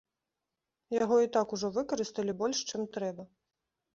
Яго і так ужо выкарысталі больш, чым трэба.